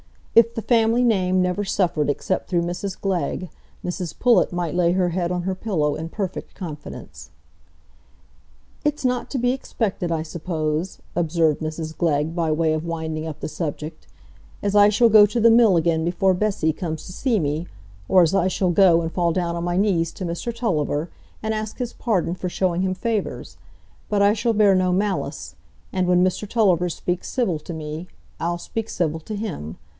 If the family name never suffered except through Mrs Glegg, Mrs Pullet might lay her head on her pillow in perfect confidence. "It's not to be expected, I suppose," observed Mrs Glegg, by way of winding up the subject, "as I shall go to the mill again before Bessy comes to see me, or as I shall go and fall down o' my knees to Mr Tulliver, and ask his pardon for showing him favours; but I shall bear no malice, and when Mr Tulliver speaks civil to me, I'll speak civil to him.